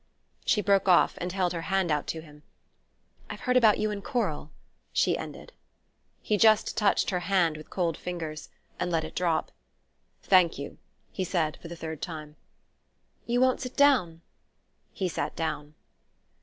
She broke off, and held her hand out to him. "I've heard about you and Coral," she ended. He just touched her hand with cold fingers, and let it drop. "Thank you," he said for the third time. "You won't sit down?" He sat down.